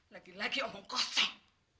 lagi lagi kamu berbicara kosong